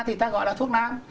thì ta gọi là thuốc nam